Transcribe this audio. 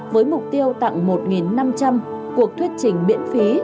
với mục tiêu tặng một năm trăm linh cuộc thuyết trình miễn phí